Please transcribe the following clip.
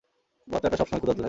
বাচ্চাটা সবসময় ক্ষুধার্ত থাকে।